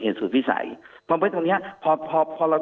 หรือถ้าท่านไม่แจ้งนั่นก็หมายถึงว่า